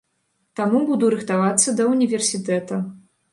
Таму буду рыхтавацца да ўніверсітэта.